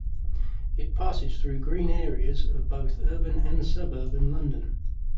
It passes through green areas of both urban and suburban London.